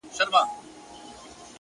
ناځواني؛